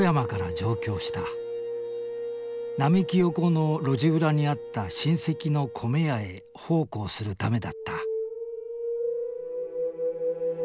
並木横の路地裏にあった親戚の米屋へ奉公するためだった。